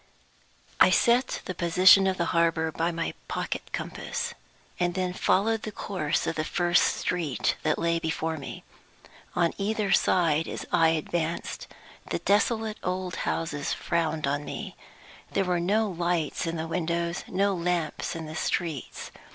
I SET the position of the harbor by my pocket compass, and then followed the course of the first street that lay before me. On either side, as I advanced, the desolate old houses frowned on me. There were no lights in the windows, no lamps in the streets.